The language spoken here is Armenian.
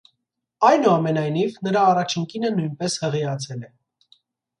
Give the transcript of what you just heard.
Այնուամենայնիվ, նրա առաջին կինը նույնպես հղիացել է։